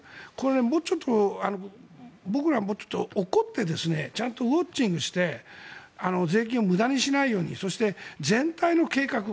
もうちょっと僕ら、怒ってちゃんとウォッチングして税金を無駄にしないようにそして、全体の計画